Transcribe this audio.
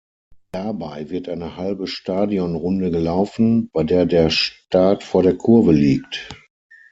Dabei wird eine halbe Stadionrunde gelaufen, bei der der Start vor der Kurve liegt.